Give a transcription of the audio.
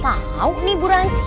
tau nih bu ranti